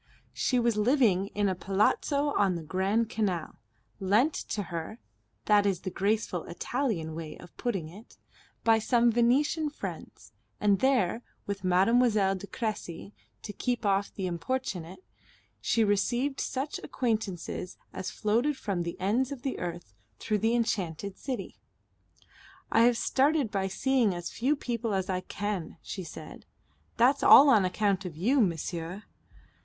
She was living in a Palazzo on the Grand Canal, lent to her that is the graceful Italian way of putting it by some Venetian friends; and there, with Mademoiselle de Cressy to keep off the importunate, she received such acquaintance as floated from the ends of the earth through the enchanted city. "I have started by seeing as few people as I can," she said. "That's all on account of you, monsieur."